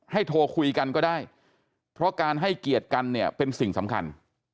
โทรคุยกันก็ได้เพราะการให้เกียรติกันเนี่ยเป็นสิ่งสำคัญ